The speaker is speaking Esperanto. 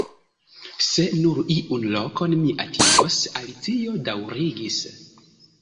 "Se nur iun lokon mi atingos," Alicio daŭrigis.